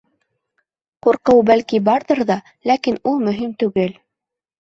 Ҡурҡыу, бәлки, барҙыр ҙа, ләкин ул мөһим түгел.